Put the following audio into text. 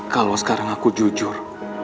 kalau sekarang aku jujur